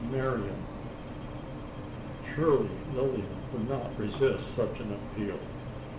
"Marian." Surely Lilian would not resist such an appeal?